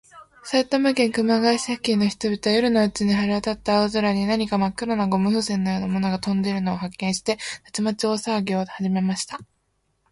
埼玉県熊谷市付近の人々は、夜のうちに晴れわたった青空に、何かまっ黒なゴム風船のようなものがとんでいるのを発見して、たちまち大さわぎをはじめました。